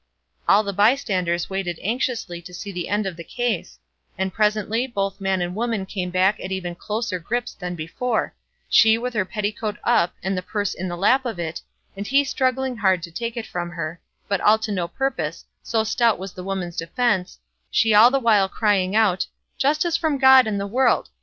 All the bystanders waited anxiously to see the end of the case, and presently both man and woman came back at even closer grips than before, she with her petticoat up and the purse in the lap of it, and he struggling hard to take it from her, but all to no purpose, so stout was the woman's defence, she all the while crying out, "Justice from God and the world!